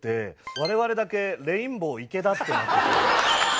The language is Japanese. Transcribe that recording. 我々だけ「レインボー池田」ってなってて。